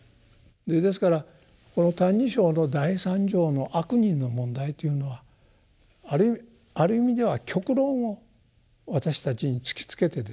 ですからこの「歎異抄」の第三条の悪人の問題というのはあるある意味では極論を私たちに突きつけてですね